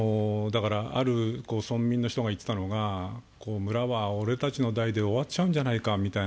ある村民の人が言っていたのは、村は俺たちの代で終わっちゃうんじゃなかいとお